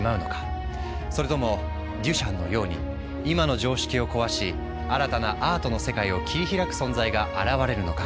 それともデュシャンのように今の常識を壊し新たなアートの世界を切り開く存在が現れるのか。